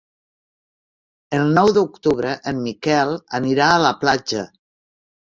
El nou d'octubre en Miquel anirà a la platja.